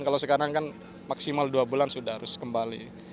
kalau sekarang kan maksimal dua bulan sudah harus kembali